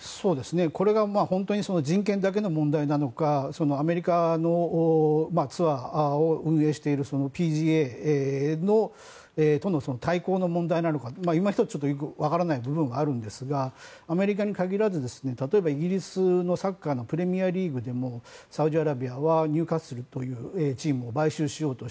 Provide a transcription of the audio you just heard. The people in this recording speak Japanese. これが本当に人権だけの問題なのかアメリカのツアーを運営しているＰＧＡとの対抗の問題なのか今ひとつ、分からない部分はあるんですがアメリカに限らず例えばイギリスのサッカーのプレミアリーグでもサウジアラビアはチームを買収しようと